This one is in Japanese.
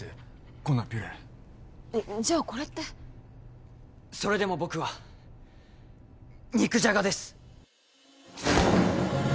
このピュレじゃあこれってそれでも僕は肉じゃがです